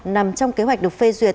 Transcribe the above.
nằm trong kế hoạch được phê duyệt